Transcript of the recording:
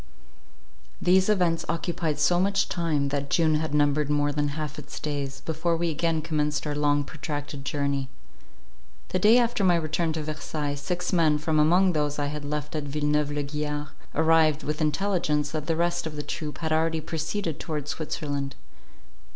These events occupied so much time, that June had numbered more than half its days, before we again commenced our long protracted journey. The day after my return to Versailles, six men, from among those I had left at Villeneuve la Guiard, arrived, with intelligence, that the rest of the troop had already proceeded towards Switzerland.